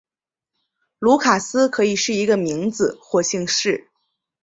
卢卡斯可以是一个名字或姓氏。